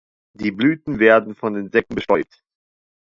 Die Blüten werden von Insekten bestäubt.